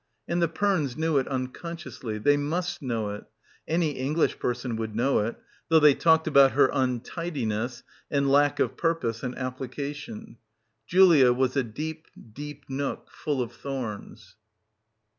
And the Pernes knew it unconsciously, they must know it; any English person would know it ... though they talked about her untidiness and lack of purpose and application. Julia was a deep, deep nook, full of thorns.